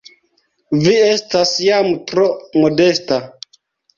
Vi estas jam tro modesta!